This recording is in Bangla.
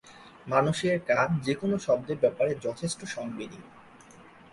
মানুষের কান যেকোনো শব্দের ব্যাপারে যথেষ্ট সংবেদী।